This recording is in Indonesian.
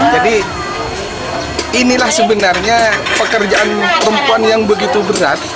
jadi inilah sebenarnya pekerjaan perempuan yang begitu berat